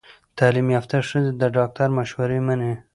تعلیم یافته ښځې د ډاکټر مشورې مني۔